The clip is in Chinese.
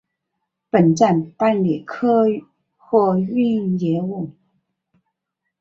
本站办理客货运业务。